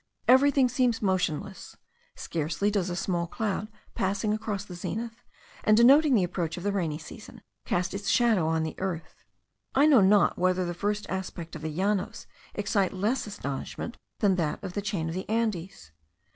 Everything seems motionless; scarcely does a small cloud, passing across the zenith, and denoting the approach of the rainy season, cast its shadow on the earth. I know not whether the first aspect of the Llanos excite less astonishment than that of the chain of the Andes.